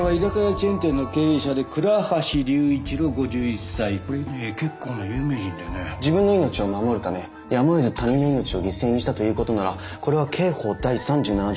自分の命を守るためやむをえず他人の命を犠牲にしたということならこれは刑法第３７条